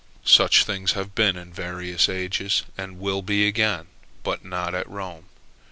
Such things have been in various ages, and will be again, but not at Rome.